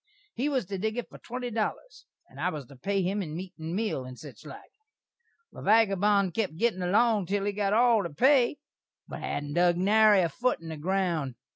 He was to dig it for twenty dollers, and I was to pay him in meat and meal, and sich like. The vagabon kep gittin' along til he got all the pay, but hadn't dug nary a foot in the ground.